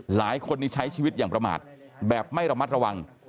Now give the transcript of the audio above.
หลายคนนี้ใช้ชีวิตอย่างประมาทแบบไม่ระมัดระวัง